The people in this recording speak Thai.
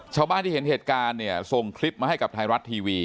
ชาวบ้านที่เห็นเหตุการณ์เนี่ยส่งคลิปมาให้กับไทยรัฐทีวี